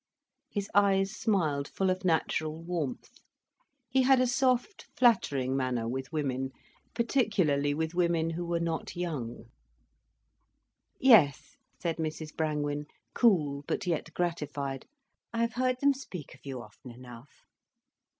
His eyes smiled full of natural warmth. He had a soft, flattering manner with women, particularly with women who were not young. "Yes," said Mrs Brangwen, cool but yet gratified. "I have heard them speak of you often enough."